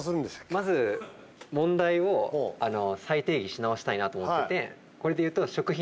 まず問題を再定義し直したいなと思ってて。